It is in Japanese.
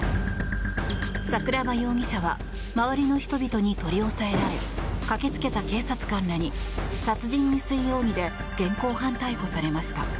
桜庭容疑者は周りの人々に取り押さえられ駆けつけた警察官らに殺人未遂容疑で現行犯逮捕されました。